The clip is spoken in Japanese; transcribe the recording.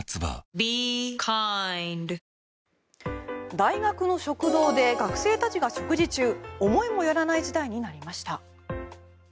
大学の食堂で学生たちが食事中思いもよらない事態になりました。